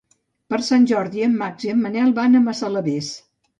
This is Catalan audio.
Per Sant Jordi en Max i en Manel van a Massalavés.